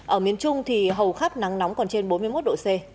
ở miền trung thì hầu khắp nắng nóng còn trên bốn mươi một độ c